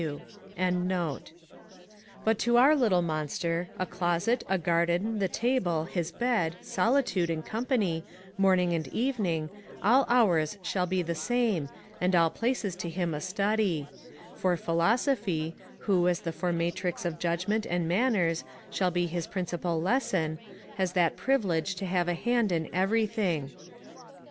D.W.] But to our little monsieur, a closet, a garden, the table, his bed, solitude, and company, morning and evening, all hours shall be the same, and all places to him a study; for philosophy, who, as the formatrix of judgment and manners, shall be his principal lesson, has that privilege to have a hand in everything.